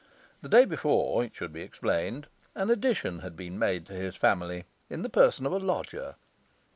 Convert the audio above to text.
The day before (it should be explained) an addition had been made to his family in the person of a lodger.